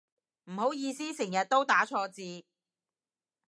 唔好意思成日都打錯字